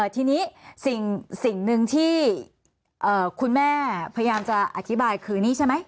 ทีนี้สิ่งหนึ่งที่คุณแม่พยายามจะอธิบายคือนี่ใช่ไหม